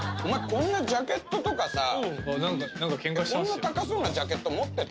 こんなジャケットとかさこんな高そうなジャケット持ってた？